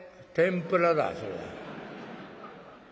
「天ぷらだそれは。